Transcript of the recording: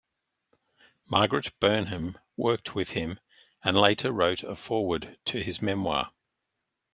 Margaret Burnham worked with him and later wrote a foreword to his memoir.